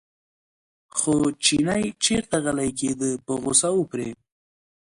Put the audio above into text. خو چینی چېرته غلی کېده په غوسه و پرې.